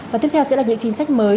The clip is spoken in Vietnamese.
và tiếp theo sẽ là những chính sách mới